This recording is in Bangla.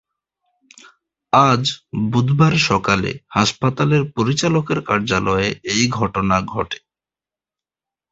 আজ বুধবার সকালে হাসপাতালের পরিচালকের কার্যালয়ে এ ঘটনা ঘটে।